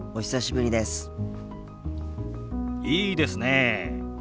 いいですねえ。